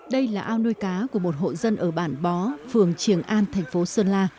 đây là ao nuôi cá của một hộ dân ở bản bó phường triềng an thành phố sơn la